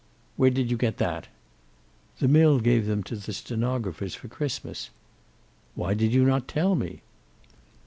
"Where did you get that?" "The mill gave them to the stenographers for Christmas." "Why did you not tell me?"